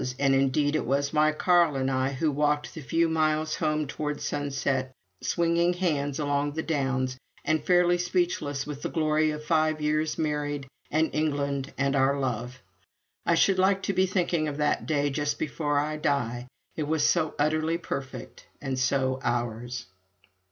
And indeed it was my Carl and I who walked the few miles home toward sunset, swinging hands along the downs, and fairly speechless with the glory of five years married and England and our love. I should like to be thinking of that day just before I die. It was so utterly perfect, and so ours.